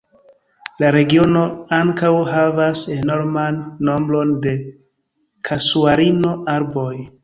La regiono ankaŭ havas enorman nombron da Kasuarino-arboj.